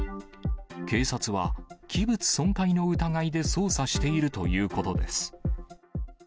警察は器物損壊の疑いで捜査しているということです。